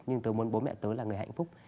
nhưng tớ muốn bố mẹ tớ là người hạnh phúc